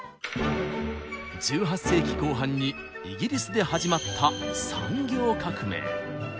１８世紀後半にイギリスで始まった産業革命。